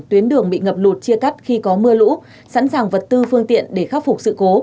tuyến đường bị ngập lụt chia cắt khi có mưa lũ sẵn sàng vật tư phương tiện để khắc phục sự cố